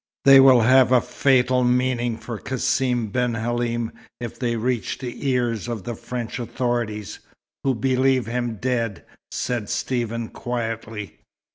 "They will have a fatal meaning for Cassim ben Halim if they reach the ears of the French authorities, who believe him dead," said Stephen, quietly.